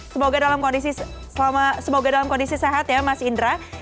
semoga dalam kondisi sehat ya mas indra